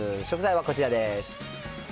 食材はこちらです。